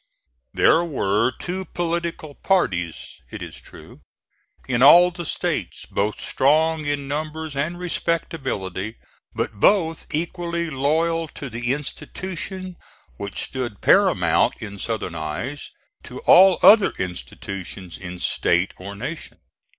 There were two political parties, it is true, in all the States, both strong in numbers and respectability, but both equally loyal to the institution which stood paramount in Southern eyes to all other institutions in state or nation.